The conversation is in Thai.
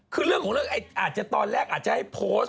คือเรื่องของเรื่องอาจจะตอนแรกอาจจะให้โพสต์